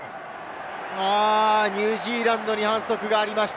ニュージーランドに反則がありました。